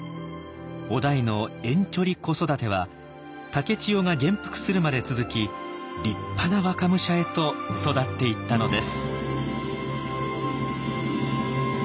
於大の遠距離子育ては竹千代が元服するまで続き立派な若武者へと育っていったのです。